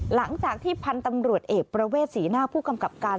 หลังจากที่พันธุ์ตำรวจเอกประเวทศรีหน้าผู้กำกับการ